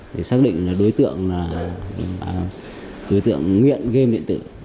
thì xác định là đối tượng là đối tượng nghiện game điện tử